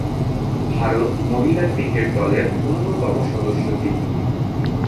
ভারত মহিলা ক্রিকেট দলের অন্যতম সদস্য তিনি।